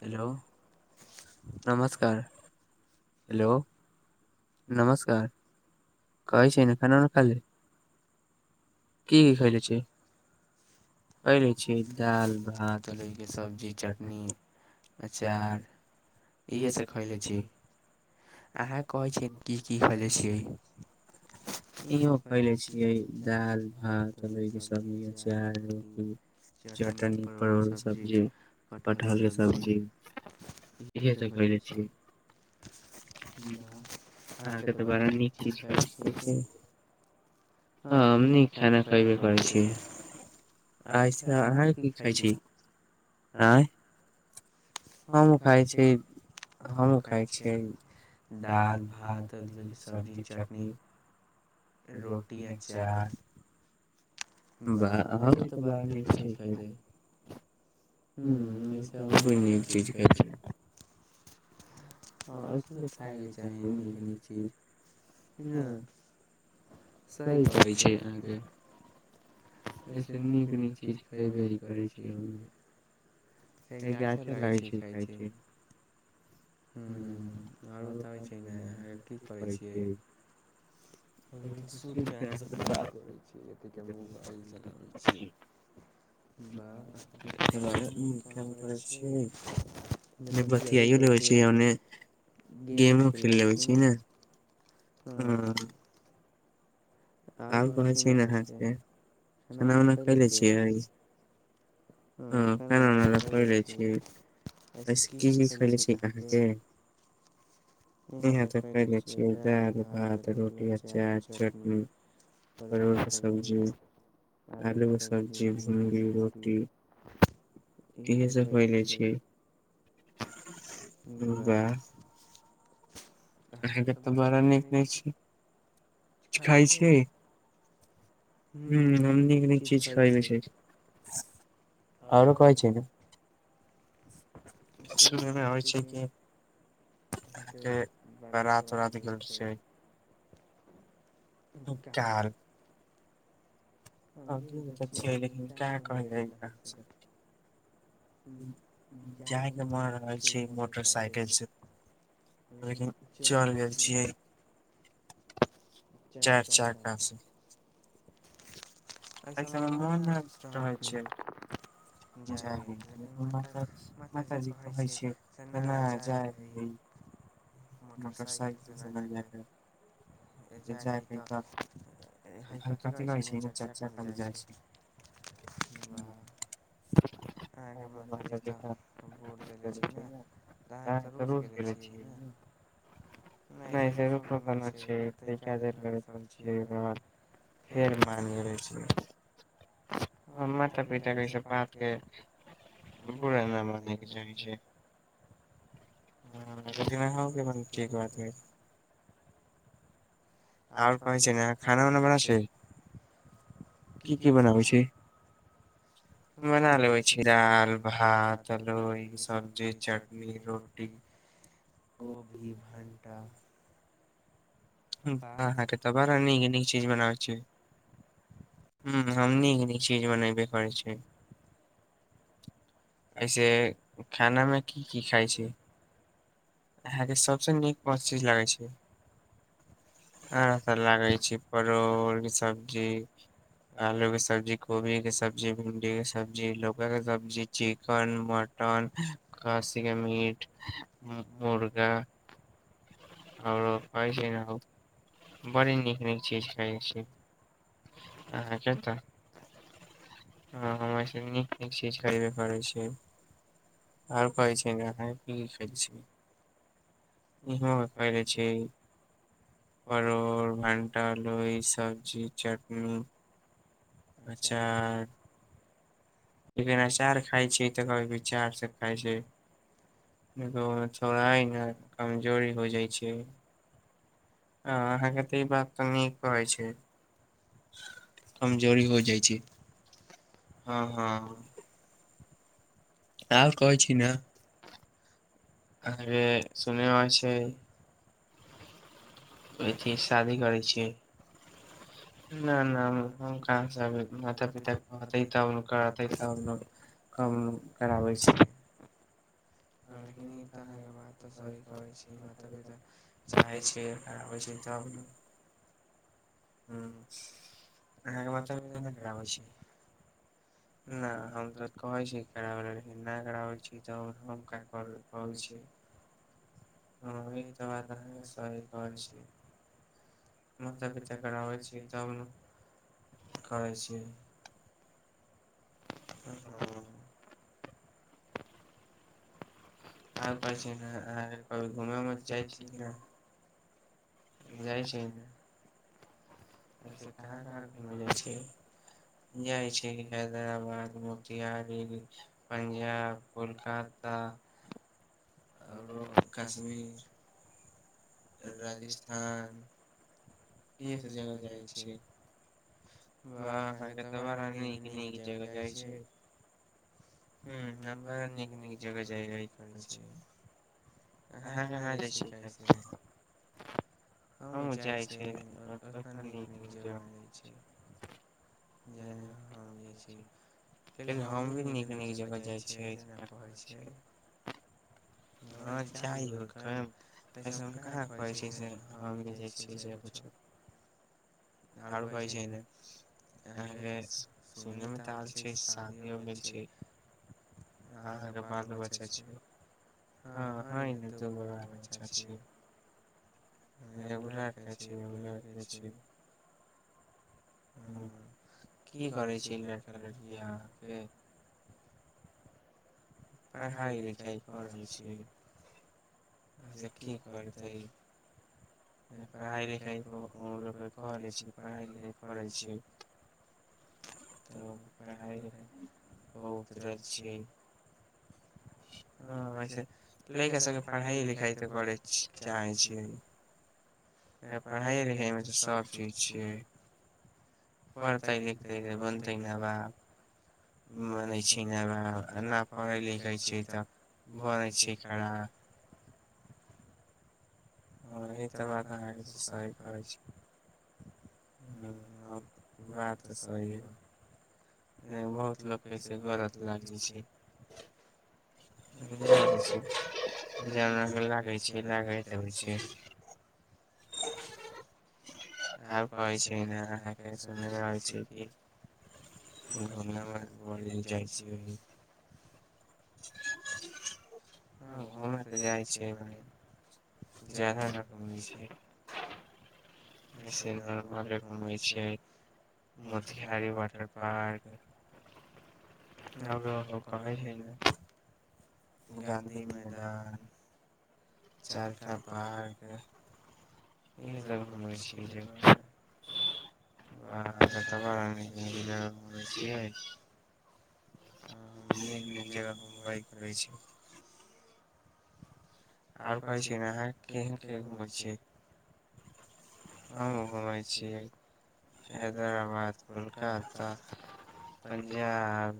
Hello नमस्कार hello नमस्कार। कहै छैय ने खाना ने खाल ले की भेल छए। खयले छियै दालि भात रहिके सब्जी चटनी अचार इहेसभ खयले छिय अहाँ कहै छियै की की खैले छियैनो खैले छियै दालि भात तोरिक सबजी अचार नून चटनी परोरके सब्जी कटहरके सब्जी इ ख छै अहाँके तऽ बड़ा नीक चीज खा हँीक खाना खएबे करै छी। अचछा अहाँ की कहै छी, आँंय। हम खाइ छियै हम खाइ छियै दाल भात सब्जी चटनी। रोटी अचार ब आ। [unintelligible] ह ऐसे हम को नीक चीज खाइ छिय। हँ एहि त खायके चाही नीक नीक चीज। पना सह होइ छै अहाँके एहिसे नीक नीक चीज खयबे ह करै छी हम। क गछ लै छै खइ छै। ह आर बताबे छै नेह की करे छियै सु के अह बात कर छी मोबाइल चब छी। [unintelligible] छी, इन्ने बतियायौ लेबे। कियो नै, गेमो खेल लेबै छी नै हाँ। आब कहै छी ने अहाँ स के खाना उना खएले छियै। हाँ खाना उना सब खएलै छी, ए से की की खैैएलै छी अहाँ के। इहाँ ते खएलै छीये दाल, भात, रोटी, अचार, चटनी। परवल के सब्जी, आलू के सब्जी, भिण्डी, रोटी इहे सब खएलै छी। बा। अहाँ के ते बड़ा नीक नीक चीज खाय छी, ह्म्म हम नीक नीक चीज खएबै छी। आरो कहै छै नै सुननाए आबै छै कि कि बरात-उरात गेल छै। इ काल आगु मे ते छै लेकिन का कहल जाय अहाँ से। उम्म जाय के मन रहै छै मोटरसाइकिल से, लेकिन चल गेल छियै। चार चक्का से। ए सब मे मुन नै रहै छै। जाय रही लेकिन माताजी माताजी कहै छै केना जाही। मोटरसाइकिल से न जाय के। पे जाय के ए हे कथी कहै छी इन्ने चार चक्का से जाय छै वाह। अहाँ के माता जी तऽ बोल देेले छी ने तऽ अहाँ तऽ रुस गेले छियै ने। नै [unintelligible] छै, तै खातिर लै रुसल छियै ओकर बाद फेर मान गेलै छियै। हाँ माता-पिता के इ सब बात के बुरा न मानय के चाहै छै। हाँ लेकिन अहाँ [unintelligible] ठीक बात कहे छी। और कहै छी ने खाना उना बना छी की की बनाबै छी। बना लेबै छी दाल, भात, अदौरी के सब्जी, चटनी, रोटी। भी भंटा। हाँके त ब नीक नीक चीज बनाबै छै ह हम नीक नीक चीज बनबे करै छी। ऐसे खाना मे की की खाय छी। अहाँके सभसँ नीक कौन चीज लगैत छै। अ लागै छै परोल के सब्जी आलू के सब्जी कोबी के सब्जी भिंडी के सब्जी के सब्जी चिकन मटन खस्सी के मीट मुर्गा आओरो प ना बड़ी नीक नीक चीज खा छी। अहाँके त ह हमरा नीक नीक चीज खाब करै छै आर खइ छै नेी ख छी। इहो पले छै। परोड़ भंटाा लई सब्जी चटनी अचार लिन अचार खाइ छी तऽभचार खाइ छै थोड़ा ह ने जोरी हो जाइ छै। ह अहाँके तऽ ई बात त न कहै छै कमजोरी हो जाइ छै हँ हँ। आल कहै छी न आरे सुने रहल छै। अथिी शादी करै छियै। नहि नहि हम कहाँसँ माता पिता कहते त ने करे त ने क कराबै छी। हं लेकिन ई त अहाँके बात त सही कहै छै माता पिता चाहै छै कराबै छै तब ने। ह अहाँके म खराब होइ छै। नहि हम तो कहै छी कराबै ल लेकिन नहि कराबै छी तब हम क कर रहलइ छै। ह ई तऽ बात अहांके सही कहै छी माता पिता कराबै छी तब ने करै छी ह्म। आ प छै ने आ घूम मे जाइ छी कि नहि [inaudible] जाइ छै। ओइसे कहाँ कहाँ घूमैय जाइ छी जाइ छी हैदराबाद मोतिहारी पंजाब कोलकाता आओरो काश्मीर राजस्थान ईएह सब जगह जाइ छियै वाह अहाँके तऽ बड़ा नीक नीक जगह जाइ छै हूँ हम बड़ा बड़ा नीक नीक जगह जाइ रहल छी [unintelligible] हम जाइ छियै लेकिन ओतना नीक नीक जगह न जाइ छियै जहाँ जहाँ हम जाइ छी किया की हम भी नीक नीक जगह जाइ छियै असे न कहै छियै हँ जाइ होइ कऽ ऐसे हम कहाँ कहै छियै से हम जाइ छियै जा कुछो आर कहै छै न अहाँके सुनेमे तऽ आएल छै शादीयो हो गेल छै अहाँके बालो बच्चा छै हँ हँए न दूगो बाल बच्चा छियै [unintelligible] [unintelligible] [unintelligible] हँ ऐसे लैका सबके पढ़ाइ लिखाइ तऽ करै चाहे छियै पढ़ाइ लिखाइ मे तऽ सब चीज छियै पढ़तै लिखतै बनतै नवाब बनै छी नवाब आ न पढ़े लिखे जाइ छियै तऽ बनै छै खराब हाँ इ तऽ बात अहाँके सही कहै छी हूँ हँ बात तऽ सही हइ [unintelligible] [unintelligible] [unintelligible] [unintelligible] [unintelligible] जइसे नरमहल घूमै छियै मोतिहारी वाटर पार्क आओरो कहै छै न गाँधी मैदान चरखा पार्क इएहसभ घूमै छी जगह [unintelligible] निक निक जगह घूम्बइ करै छी आरो कहै छियै न अहाँ केहन केहन घूमै छियै हम घूमै छियै हैदराबाद कलकाता पंजाब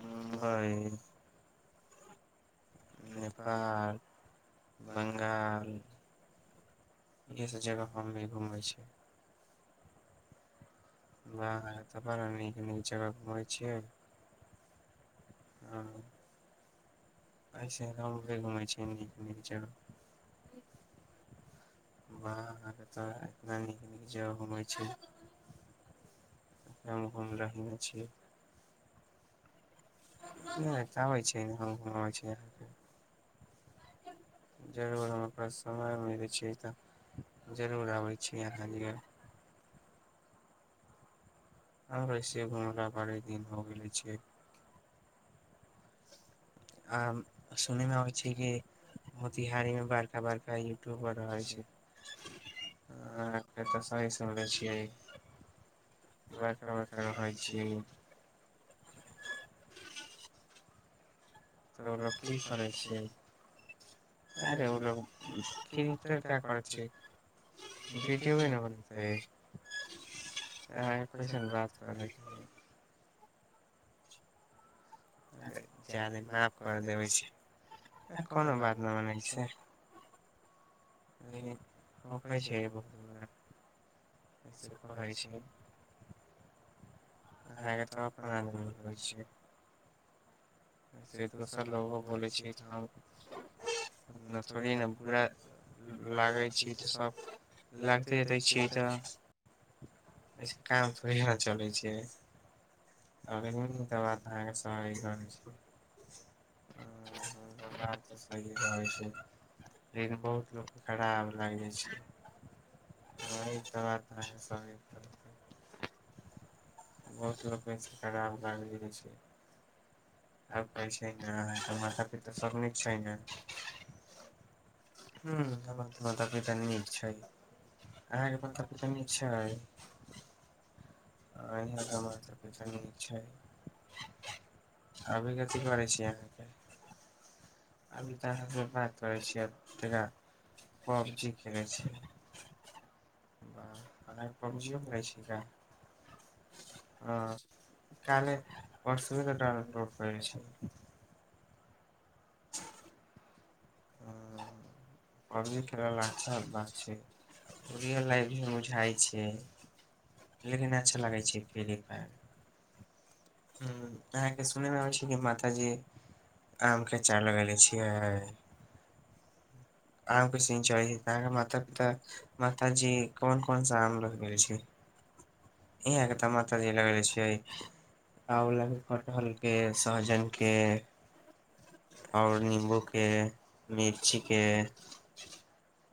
ह भइ नेपाल बंगाल इएहसभ जगह हममे घूमै छी बाहर में त बड़ा निक निक जगह घूमै छियै हं एहिऐसे हम भी घूमै छी नीक नीक जगह वाह अहाँके तऽ इतना नीक नीक जगह घूमै छै हम घूम रहै नहि छी नहि एत आबै छी हम घुमै छी जरूर हमरा पास समय मिलै छियै तऽ जरूर आबै छियै आहाँ जगह पर आबै छियै घूमै ले बड़ी दिन हो गेल छै [unintelligible] आ सुनयमे अबै छै कि मोतिहारीमे बड़का बड़का यूट्यूबर रहै छै आहाँ तऽ सही सुन लै छियै बरका बरका रहै छियै तऽ ओ लोक की करै छै अरे ओ लोक क्रिएटर का करै छै वीडियोए नहि बनेतै अहाँ कइसन बात करऽ दै छै अरे जादे माफ करि देबै छै कोनो बात नहि बनै छै ओक छै ब एहिसभ कहै छी आगे तऽ अपन आनन्द होइ छै वसे दोसर लोको बोलै छी तऽ हम अपना थोड़े ने बुरा लागै छी तऽ सभ लागिते दै छियै तऽ ओसे काम थोड़े ने चलै छै लेकिन त बात अहाँके सही करै छै हँ ओसभ बात तऽ सहिए रहै छै लेकिन बहुत लोककेँ खराब लागै छै वही सभ बात अहाँके सहै पड़त बहुत लोक ओहिसँ खराब लागै जाइ छै आब कहै छै ने अहाँके माता पिता सभ नीक छै ने ह्म हमर तऽ माता पिता नीक छै अहाँके माता पिता नीक छै अँहयो के माता पिता निक छै अभी कथी करैत छी अहाँके अभी तऽ अहाँ से बात करै छियै तका पबजी खेलैत छीह अहाँ पबजियो करैत छा हाँ काले परसु तऽ डाउनलोड करै छियै [unintelligible] पबजी खेलमे अच्छा बात छै ओ रियल लाइफ जेना बुझाइ छै लेकिन अच्छा लागै छै फ्री फायर हूँ अहाँके सुनैमे अबै छै की माताजी आमके अचार लगैले छियै आम के सिन चलै छै माता पिता माताजी कोन कोन सा आम लगैले छै इहाँ मात जी लगैले छै आंवलाके कटहलके सहजन के आओर नींबू के मिर्ची के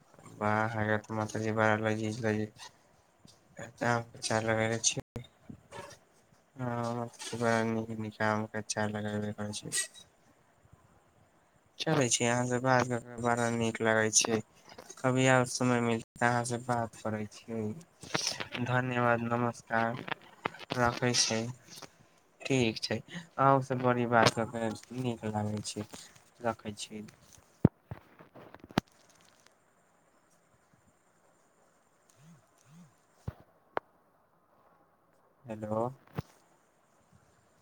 [unintelligible] गेल तऽ माता जी बड़ा लजीज लजीज आम के अचार लगैने छियै हँ बड़ा नीक नीक आम अचार लगैबे करै छियै चलै छियै अहाँसँ बातकऽ कऽ बड़ा नीक लागै छियै कभी आर समय मिलत तऽ अहाँसँ बात करै छियै धन्यवाद नमस्कार रखै छी ठीक छै अन्हु से बड़ी बात कऽ कऽ नीक लागै छै रखै छी हेलो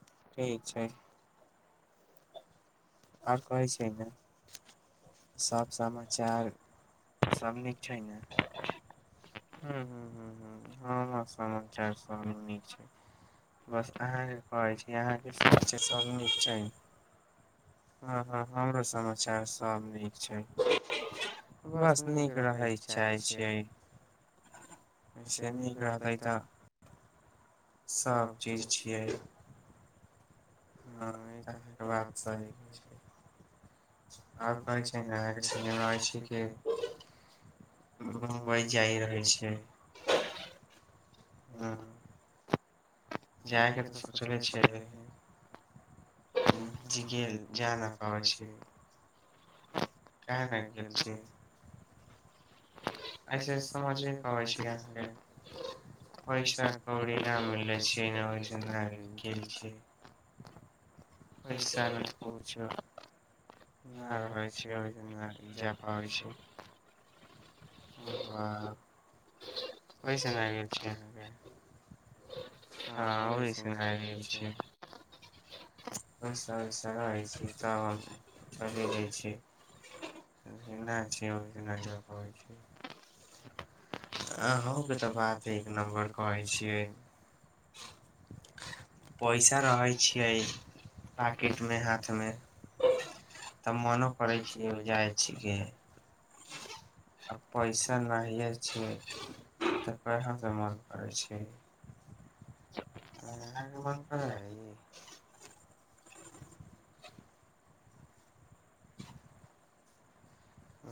[unintelligible] [unintelligible] हँ हँ हमरो समाचार सभ नीक छै बस नीक रहैय चाहै छियै [unintelligible] सब चीज छियै हँ ई तऽ अहाँके बात सही कहै छै आओर कहै छै ने अहाँके सुनैमे होइ छै कि मुम्बइ जाइत रहै छियै हूँ जायके तऽ सोचले छियै लेकिन जी गेल जा नहि पाबै छियै [unintelligible] ऐसे समझ नहि पाबै छियै पैसा कौड़ी ना मिलले छियै नहि ओसे गेल छियै पैसा न कुछो ना रहै छै ओहिस जा पाबै छी ओहिस ना गेल छियै अहाँके हँ ओहि स ना गेल छियै पैसा ओसा रहै छै तब चलि जाइ छै ना छै ओहिसँना जा पबै छियै [unintelligible] [unintelligible] आ पैसा नहिए छियै तऽ कहाँ स मन करै छियै [unintelligible]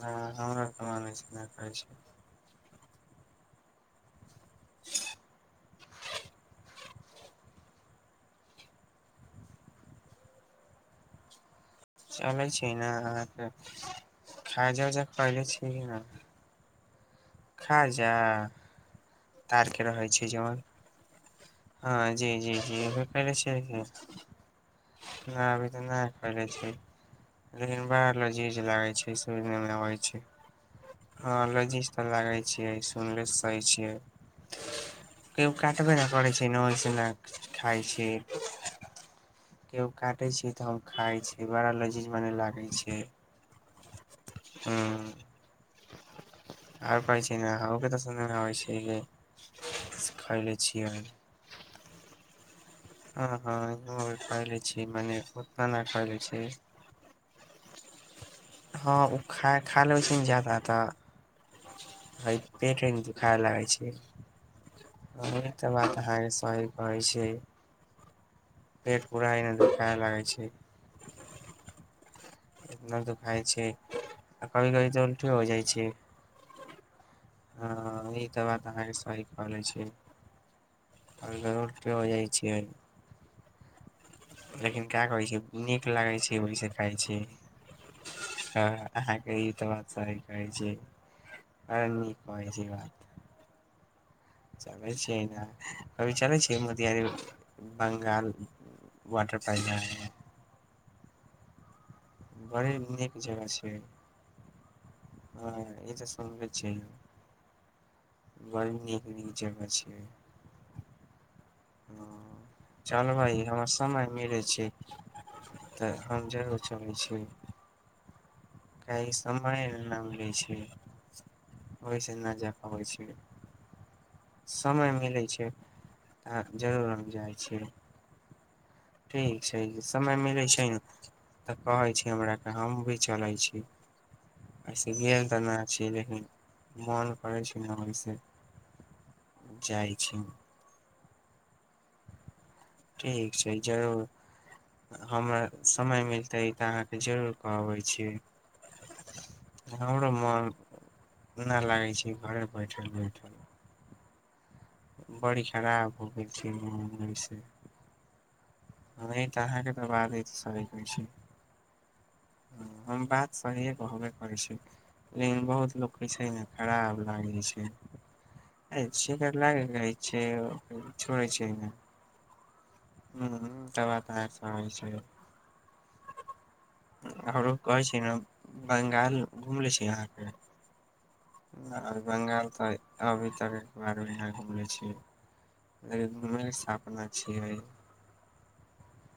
ना हमरो के मानै छै ना कहै छै [inaudible] चलै छै ने अहाँ तऽ खाजा उजा पहिले छियै न खाजा [unintelligible] [unintelligible] ना अभी तऽ ना खैलै छी लेकिन बड़ा लजीज लागै छै सुनेमे आबै छै हँ लजीज तऽ लागै छै सुनले सही छियै केयौ काटबे नहि करै छै ओइस ना खाइ छै केयौ [unintelligible] हूँ आर कहै छै ने हके तऽ सुनमेइ छै खल छीिय [unintelligible] हँ ओ खा खालेखिन ज्यादा तऽ [unintelligible] [unintelligible] [unintelligible] [unintelligible] [unintelligible] [unintelligible] चलै छीयै इने, कभी चलै छीयै मोतिहारी बंगाल वाटर पइन नहाए बड़ी नीक जगह छियै [unintelligible] [unintelligible] अय समय ना मिलै छै ओहिस ना जा पाबै छीयै समय मिलै छै [unintelligible] ठीक छै जे समय मिलै छै ने तऽ कहै छी हमरा के हम भी चलै छी [unintelligible] [unintelligible] [unintelligible] ह इ तऽ अहाँके तऽ बाते सही कहै छियै [unintelligible] तब बात अहाँ कहै छै आओरो कहै छी ने बंगाल घूमलै छी अहाँके न अभी तऽ बंगाल तऽ अभी तक एक बार भी न घूमलै छी लैके घूमैके साथमे छियै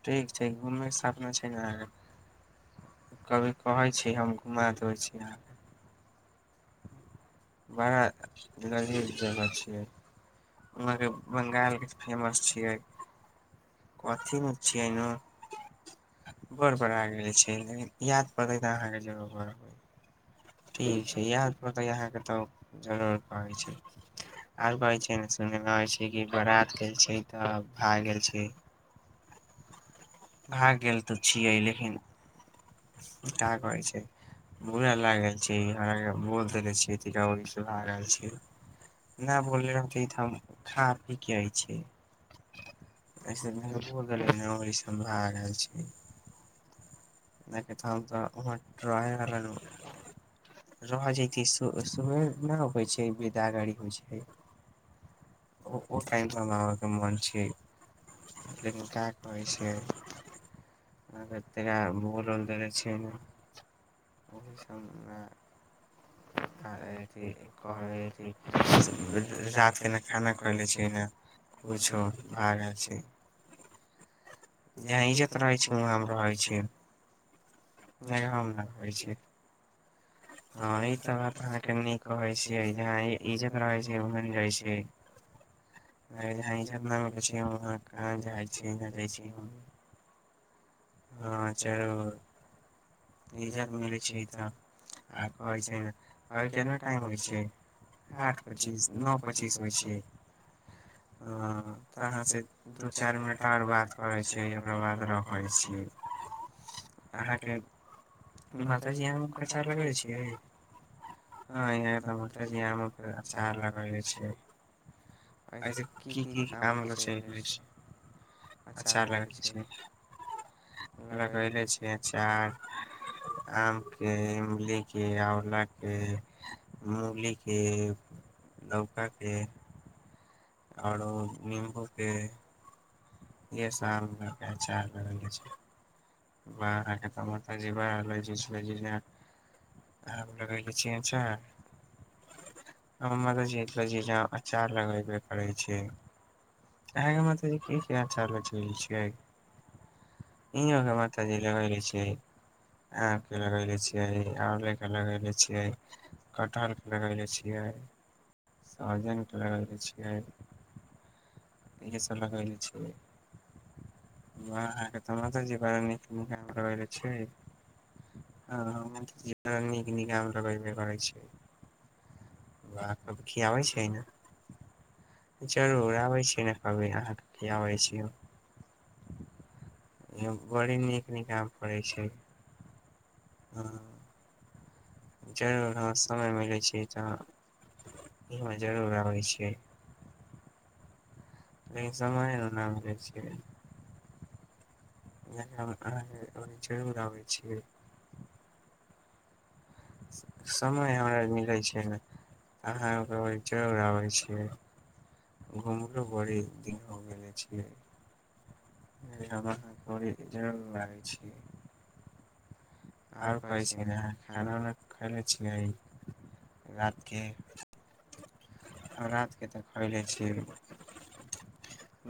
ठीक छै घूमैके साथ छै न अहाँके कभी कहै छी हम घूमा देबै छी अहाँके बड़ा लजीज जगह छियै [unintelligible] [unintelligible] सुनैमे आबै छै की बारात गेल छै तऽ भए गेल छै [unintelligible] हम खा पीके अइ छै [unintelligible] ओहिसँ भए गेल छी। [unintelligible] ओ-ओ टाइम स आबऽ के मौन छै [unintelligible] केना खाना खैले छी न कुछो भागल छी जहाँ इज्जत रहै छै वहाँमे रहै छी नहि हम राखै छी हँ ई तऽ बात अहाँके नीक कहै छियै न इज्जत रहै छै ओहें जाइ छी [unintelligible] हँ जरूर इज्जत मिलै छै तऽ आओर कहै छै ने अभी कतना टाइम होइ छै आठ पचीस नओ पची- -पचीस होइ छियै हँ अहाँ से दू चारि मिनट आओर बात करै छियै ओकर बाद रखै छियै अह मगे [unintelligible] छै, एहिसे की -की आमवला चलि जाै छै, अच्छा लगै छै। लगले छै, अचार, आम के, इमली के, आँवला के, मूली के, लौ हके, आओरो नीमबूके। ए सब के अचार बनेने छी। लगे छीार लगे करै छ अह मीी छ [unintelligible] माताजी लगे छियै, आम के लगेने छियै, आमला के लगेने छियै, कटहर के लगेने छियै, सहजनिक के लेगेने छियै, इह सब लगेने छियैके, तऽ माताजी बड़ा नीक बल नीक [unintelligible] निक आम पड़ै छै, ह, जरूर हॅं समय मिलै छै तऽ हमै जरूर आबै छीयै। लेकिन समये न ना मिलई छै। लेकिन [unintelligible] जरुर आबै छियई। समय हमरा मिलै छै ने अहाँ घऽर जरूर आबै छियै। घुमलो बड़ी दिन हो खेले छियै। फेर हम अहाॅंके घरे जरुर आबै छियै। आओर कहै छै ने अहाँ खाना उना खयले छियै रातके हं रातिके तऽ खयले छीै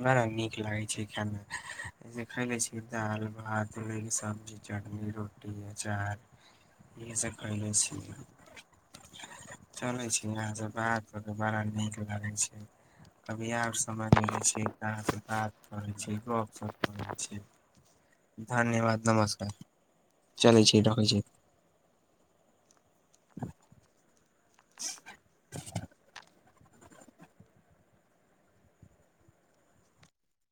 बड़ा नीक लागै छै खायमे जै खैले छीयै दाल, भात, अलोईके सब्जी, चटनी, रो अचार इहे सब खैले छी, चलै छी अहाँसे बात बड़ा नीक लागै छै कभी आओर समय मिलै छै तऽ अहाँसे बात करै छियै गपशप करै छीयै धन्यवाद नमस्कार चलै छी रखै छी। [unintelligible]